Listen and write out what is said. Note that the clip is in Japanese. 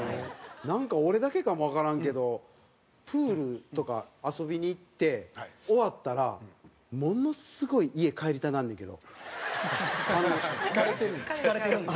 なんか俺だけかもわからんけどプールとか遊びに行って終わったらものすごい疲れてるんですよ。